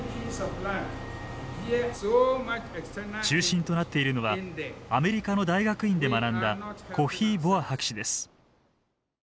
中心となっているのはアメリカの大学院で学んだコフィ・ボア博士です。